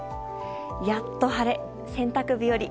やっと晴れ、洗濯日和。